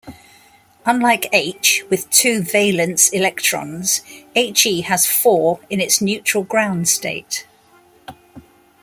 Unlike H, with two valence electrons, He has four in its neutral ground state.